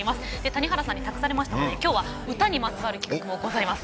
谷原さんに託されましたので今日は歌にまつわる企画もございます。